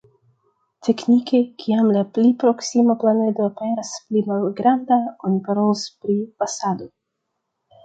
Teknike, kiam la pli proksima planedo aperas pli malgranda oni parolas pri pasado.